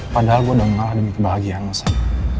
padahal gue udah ngalah demi kebahagiaan lo sar